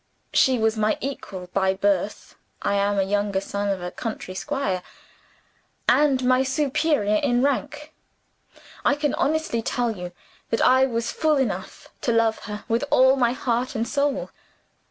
"She was my equal by birth (I am a younger son of a country squire), and my superior in rank. I can honestly tell you that I was fool enough to love her with all my heart and soul.